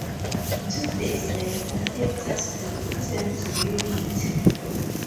Two days later, her task group returned to Ulithi.